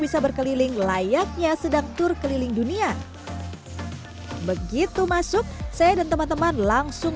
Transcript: bisa berkeliling layaknya sedang tur keliling dunia begitu masuk saya dan teman teman langsung